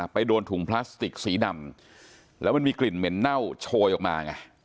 โดนถุงพลาสติกสีดำแล้วมันมีกลิ่นเหม็นเน่าโชยออกมาไง